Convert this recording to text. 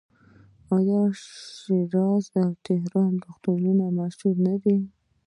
آیا د شیراز او تهران روغتونونه مشهور نه دي؟